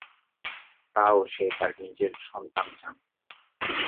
তাও সে তার নিজের সন্তান চায়।